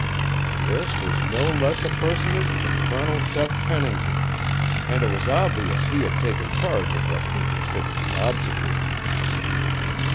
This was no less a personage than Colonel Seth Pennington, and it was obvious he had taken charge of what he considered the obsequies.